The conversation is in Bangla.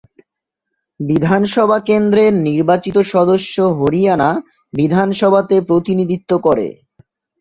বিধানসভা কেন্দ্রের নির্বাচিত সদস্য হরিয়ানা বিধানসভাতে প্রতিনিধিত্ব করে।